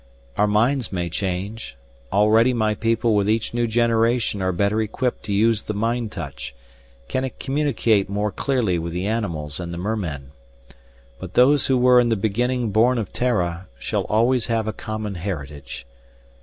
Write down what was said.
Our minds may change; already my people with each new generation are better equipped to use the mind touch, can communicate more clearly with the animals and the mermen. But those who were in the beginning born of Terra shall always have a common heritage.